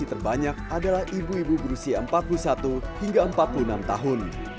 terbanyak adalah ibu ibu berusia empat puluh satu hingga empat puluh enam tahun